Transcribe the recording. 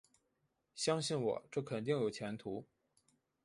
相信我，这肯定有前途